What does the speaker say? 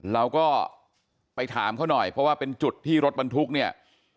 เราก็ไปถามเขาหน่อยเพราะว่าเป็นจุดที่รถบรรทุกเนี่ย